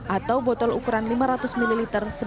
atau botol ukuran lima ratus ml